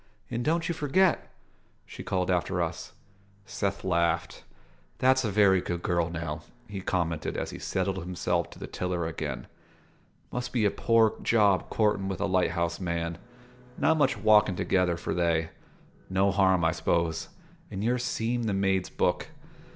"And don't you forget!" she called after us. Seth laughed. "That's a very good girl, now," he commented as he settled himself to the tiller again. "Must be a poor job courtin' with a light house man: not much walkin' together for they. No harm, I s'pose, in your seem' the maid's book."